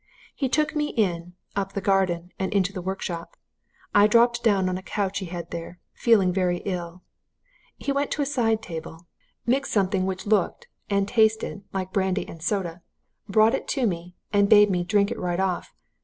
He took me in, up the garden, and into the workshop: I dropped down on a couch he had there, feeling very ill. He went to a side table, mixed something which looked and tasted like brandy and soda, brought it to me, and bade me drink it right off.